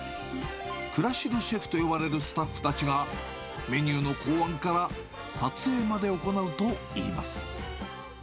クラシルシェフと呼ばれるスタッフたちが、メニューの考案から撮影まで行うといいます。